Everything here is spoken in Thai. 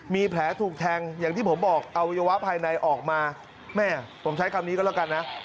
มีแผลถูกแทงอย่างที่ผมบอกอวัยวะภายในออกมาแม่ผมใช้คำนี้ก็แล้วกันนะ